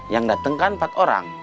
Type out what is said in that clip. yang datang kan empat orang